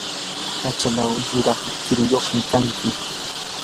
achallaw yuraq kiruyuqmi kanki.